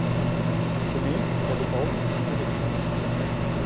For me, as a bowler, it was great.